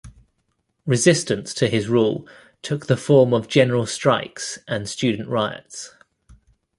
Resistance to his rule took the form of general strikes and student riots.